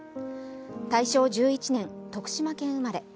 大正１１年、徳島県生まれ。